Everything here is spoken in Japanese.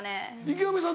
池上さん